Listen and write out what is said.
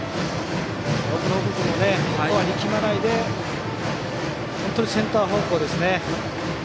奥信君も力まないで本当にセンター方向ですね。